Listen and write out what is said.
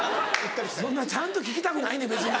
そんなちゃんと聴きたくないねん別に。